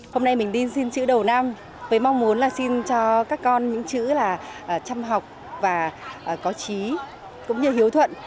hôm nay mình đi xin chữ đầu năm với mong muốn là xin cho các con những chữ là chăm học và có trí cũng như hiếu thuận